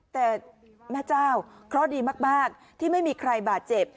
แต่แม่เจ้าเคราะห์ดีมากที่ไม่มีใครบาดเจ็บ